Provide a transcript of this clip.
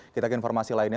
kita ke informasi lainnya